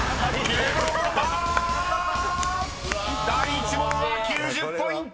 ［第１問は９０ポイント！］